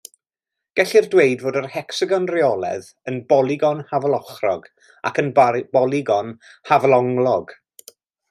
Gellir dweud fod yr hecsagon rheolaidd yn bolygon hafalochrog ac yn bolygon hafalonglog.